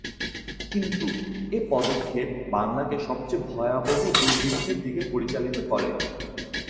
কিন্তু, এ পদক্ষেপ বাংলাকে সবচেয়ে ভয়াবহ দুর্ভিক্ষের দিকে পরিচালিত করে।